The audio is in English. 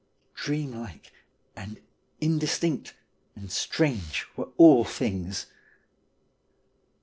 Dream like and indistinct and strange were all things.